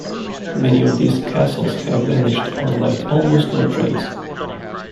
Many of these castles have vanished or left almost no trace.